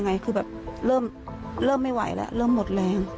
ไงคือแบบเริ่มไม่ไหวแล้วเริ่มหมดแรง